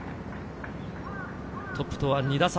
トップと２打差。